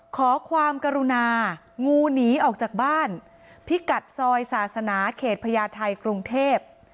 ขอความกรุณางูหนีออกจากบ้านพิกัดซอยศาสนาเขตพญาไทยกรุงเทพ